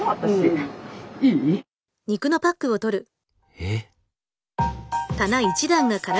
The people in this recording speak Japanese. えっ？